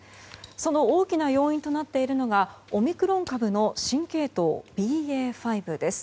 その大きな要因となっているのがオミクロン株の新系統ＢＡ．５です。